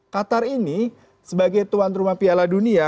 qatar ini sebagai tuan rumah piala dunia